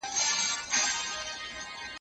هغه ښه دي نه چي ستا پر عقل سم وي